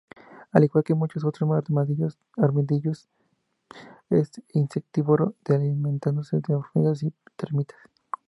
Al igual que muchos otros armadillos, es insectívoro, alimentándose de hormigas y termitas.